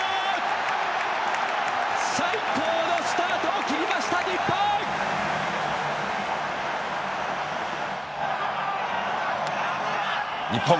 最高のスタートを切りました日本！